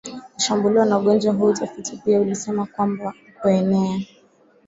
kushambuliwa na ugonjwa huo Utafiti pia ulisema kwamba kuenea